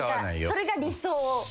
それが理想。